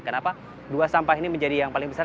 kenapa dua sampah ini menjadi yang paling besar